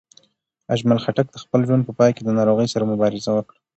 اجمل خټک د خپل ژوند په پای کې د ناروغۍ سره مبارزه وکړه.